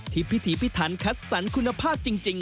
ที่พิธีพิธรรมชัดสรรคุณภาพจริง